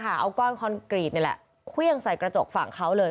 เอาก้อนคอนกรีตนี่แหละเครื่องใส่กระจกฝั่งเขาเลย